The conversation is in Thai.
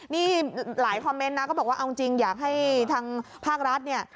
นี่หลายคอมเมนต์นะก็บอกว่าเอาจริงอยากให้ทางภาครัฐเนี่ย